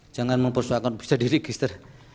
jangan mempersoalkan bisa diregister